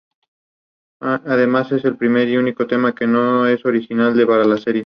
Además es el primer y único tema que no es original para la serie.